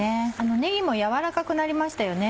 ねぎも軟らかくなりましたよね。